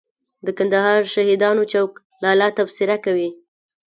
د کندهار شهیدانو چوک لالا تبصره کوي.